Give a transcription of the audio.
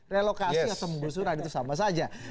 relokasi atau penggusuran itu sama saja